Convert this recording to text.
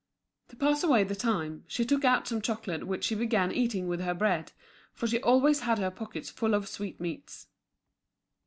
To pass away the time, she took out some chocolate which she began eating with her bread, for she always had her pockets full of sweetmeats.